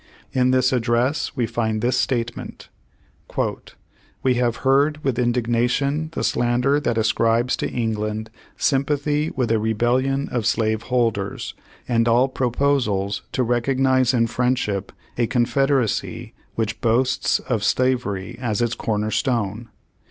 In this address we find this statement: "We have heard with indignation the slander that ascribes to England sympathy with a rebellion of slave holders, and all proposals to recognize in friendship a confederacy which boasts of slavery as its corner stone.